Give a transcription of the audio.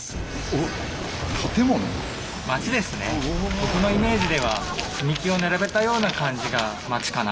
僕のイメージでは積み木を並べたような感じが街かな。